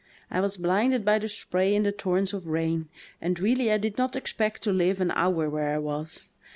I was blinded by the spray and the tor rents of rain, and really I did not expect to live an hour where I was.